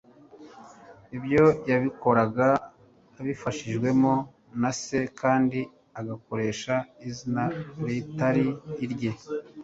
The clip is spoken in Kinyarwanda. ibyo yabikoraga abifashijwemo na se kandi agakoresha izina ritari irye